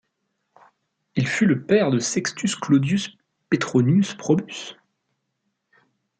Il fut le père de Sextus Claudius Petronius Probus.